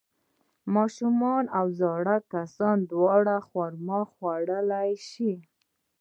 ماشومان او زاړه کسان دواړه خرما خوړلی شي.